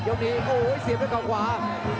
ยกนี้โอ้โหเสียบด้วยเขาขวา